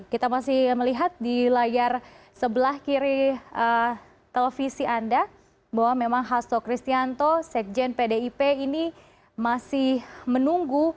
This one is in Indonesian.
kita masih melihat di layar sebelah kiri televisi anda bahwa memang hasto kristianto sekjen pdip ini masih menunggu